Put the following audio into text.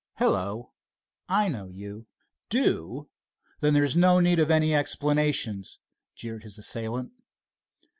"Hello, I know you." "Do? Then there's no need of any explanations," jeered his assailant.